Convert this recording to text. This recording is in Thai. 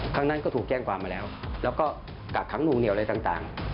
ครั้งนั้นก็ถูกแจ้งความมาแล้วแล้วก็กักขังนวงเหนียวอะไรต่าง